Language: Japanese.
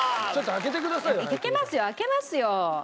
開けますよ開けますよ。